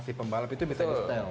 si pembalap itu bisa